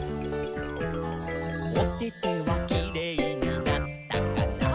「おててはキレイになったかな？」